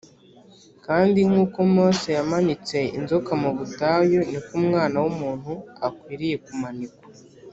“Kandi nk’uko Mose yamanitse inzoka mu butayu, ni ko Umwana w’umuntu akwiriye kumanikwa